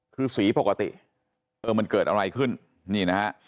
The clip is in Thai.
คือสีปกติเออมันเกิดอะไรขึ้นนี่นะฮะ